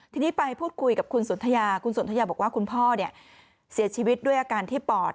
ทีนี้ไปพูดคุยกับคุณสนทยาคุณสนทยาบอกว่าคุณพ่อเสียชีวิตด้วยอาการที่ปอด